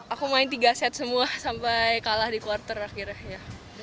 aku main tiga set semua sampai kalah di kuarter akhirnya